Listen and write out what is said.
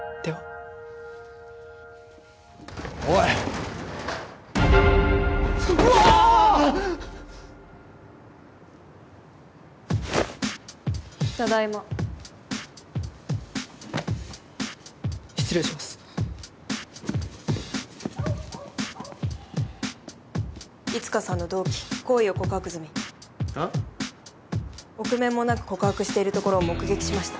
臆面もなく告白しているところを目撃しました。